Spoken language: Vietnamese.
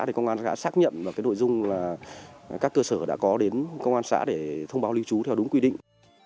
để công an xã xác nhận và cái nội dung là các cơ sở đã có đến công an xã để thông báo lưu trú theo đúng quy định